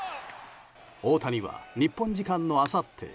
大谷は、日本時間のあさって